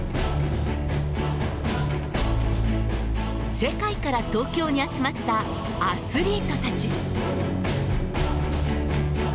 世界から東京に集まったアスリートたち。